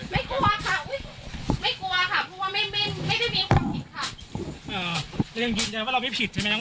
ไม่กลัวค่ะไม่กลัวค่ะเพราะว่าไม่ได้มีความผิดค่ะ